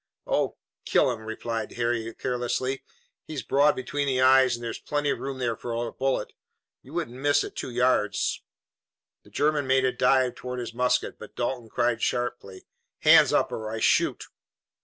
"Oh, kill him," replied Harry carelessly. "He's broad between the eyes and there's plenty of room there for a bullet. You couldn't miss at two yards." The German made a dive toward his musket, but Dalton cried sharply: "Hands up or I shoot!"